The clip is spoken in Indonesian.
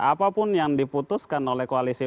apapun yang diputuskan oleh koalisi